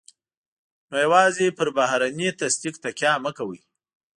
نو يوازې پر بهرني تصديق تکیه مه کوئ.